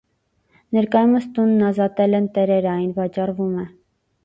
Ներկայումս տունն ազատել են տերերը, այն վաճառվում է։